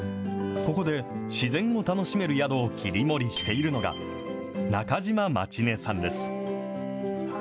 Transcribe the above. ここで自然を楽しめる宿を切り盛りしているのが、中島舞宙音さんです。